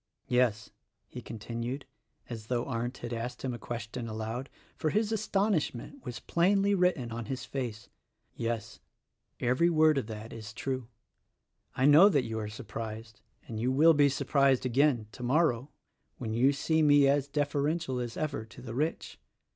"Yes," he continued, as though Arndt had asked him a question aloud; for his astonishment was plainly written on his face; "yes: every word of that is true. I know that you are surprised; and you will be surprised again, tomor row, when you see me as deferential as ever to the rich.